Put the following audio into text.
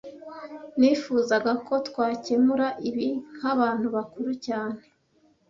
Nifuzaga ko twakemura ibi nkabantu bakuru cyane